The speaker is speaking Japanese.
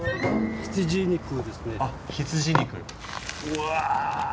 うわ！